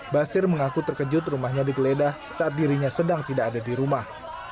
basir mengaku terkejut rumahnya digeledah saat dirinya sedang tidak ada di rumah